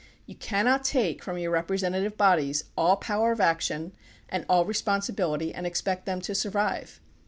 You cannot take from your representative bodies all power of action and all responsibility and expect them to survive.